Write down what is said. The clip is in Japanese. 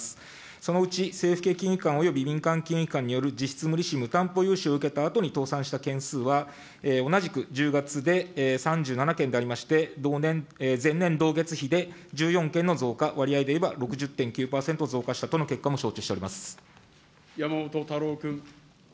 そのうち政府系金融機関、民間金融機関による実質無利子無担保融資を受けたあとに倒産した件数は、同じく１０月で３７件でありまして、同年、前年同月比で１４件の増加、割合で言えば６０．９％増加したとの結果も承知しておりま山本太郎君。